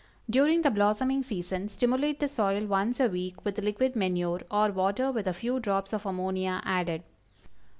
During the blossoming season stimulate the soil once a week with liquid manure, or water with a few drops of ammonia added.